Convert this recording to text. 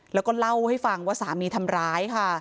แล้วก็เล่าให้ฟังว่าสามีทำร้ายค่ะ